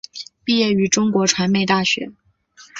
毕业于中国传媒大学。